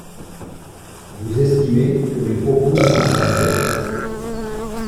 Vous estimez, que mes propos sont abjects.